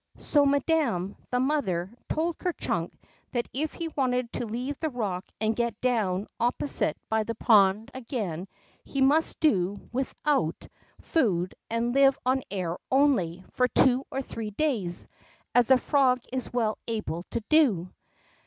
So madam, the mother, told Ker Chunk that if he wanted to leave the rock and get down op posite by the pond again, he must do without 16 THE BOCK FROO food and live on air only, for two or three days, as a frog is well able to do.